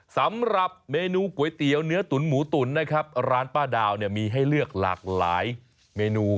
สำหรับเมนูก๋วยเตี๋ยวเนื้อตุ๋นหมูตุ๋นนะครับร้านป้าดาวเนี่ยมีให้เลือกหลากหลายเมนู